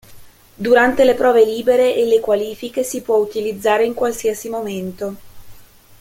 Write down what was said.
Durante le prove libere e le qualifiche si può utilizzare in qualsiasi momento.